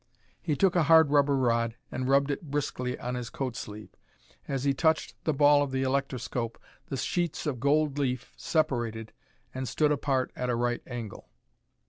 He took a hard rubber rod and rubbed it briskly on his coat sleeve. As he touched the ball of the electroscope the sheets of gold leaf separated and stood apart at a right angle.